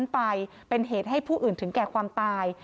หรือพาทรัพย์นั้นไปเป็นเหตุให้ผู้อื่นถึงแก่ความตาย